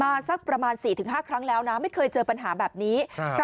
สักประมาณสี่ถึงห้าครั้งแล้วนะไม่เคยเจอปัญหาแบบนี้